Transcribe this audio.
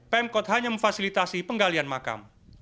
pemkot hanya memfasilitasi penggalian makam